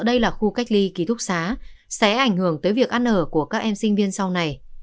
đây là khu cách ly ký thúc xá sẽ ảnh hưởng tới việc ăn ở của các em sinh viên sau này